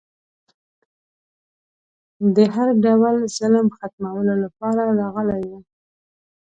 د هر ډول ظلم ختمولو لپاره راغلی و